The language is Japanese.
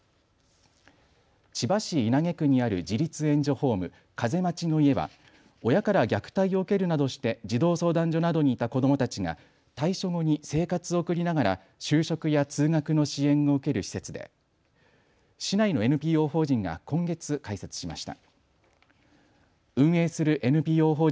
千葉市稲毛区にある自立援助ホーム、かぜまちの家は親から虐待を受けるなどして児童相談所などにいた子どもたちが退所後に生活を送りながら就職や通学の支援を受ける施設で市内のＮＰＯ法人が今月開設しました。